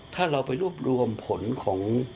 ถ้าเราไปรวบรวมผลของ